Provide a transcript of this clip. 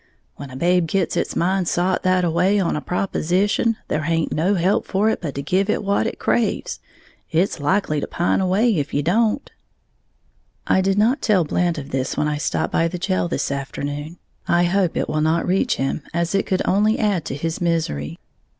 When a babe gits its mind sot thataway on a proposition, there haint no help for it but to give it what it craves. It's likely to pine away if you don't." I did not tell Blant of this when I stopped by the jail this afternoon, I hope it will not reach him, as it could only add to his misery.